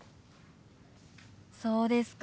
そうですか。